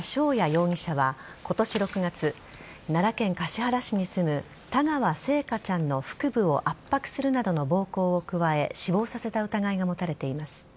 容疑者は今年６月奈良県橿原市に住む田川星華ちゃんの腹部を圧迫するなどの暴行を加え死亡させた疑いが持たれています。